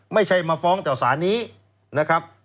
ไม่ใช่มาฟ้องต่อสารนี้นะครับ